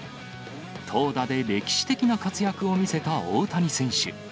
投打で歴史的な活躍を見せた大谷選手。